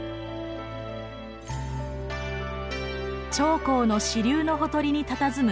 長江の支流のほとりにたたずむ